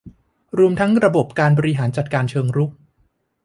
รวมทั้งระบบการบริหารจัดการเชิงรุก